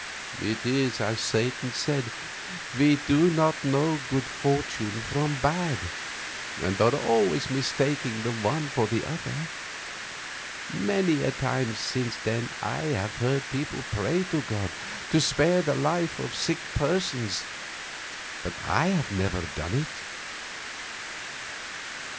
It is as Satan said, we do not know good fortune from bad, and are always mistaking the one for the other. Many a time since then I have heard people pray to God to spare the life of sick persons, but I have never done it.